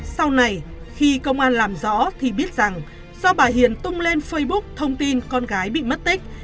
sau này khi công an làm rõ thì biết rằng do bà hiền tung lên facebook thông tin con gái bị mất tích